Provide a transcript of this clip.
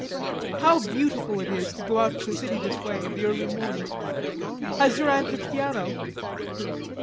"How beautiful it is to go out of the city this way in the early morning!... Has your aunt a piano?"